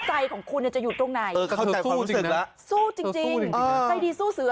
ใจของคุณจะอยู่ตรงไหนเออเขาใจความรู้สึกสู้จริงใส่ดีสู้เสือ